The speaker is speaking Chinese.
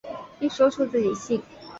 一说出自己姓。